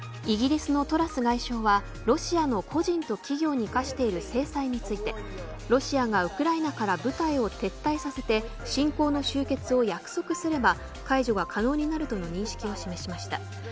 イギリスのトラス外相はロシアの個人と企業に科している制裁についてロシアがウクライナから部隊を撤退させて侵攻の終結を約束すれば解除が可能になるとの認識を示しました。